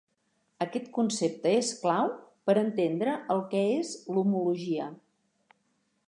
Aquest concepte és clau per entendre el que és l'homologia.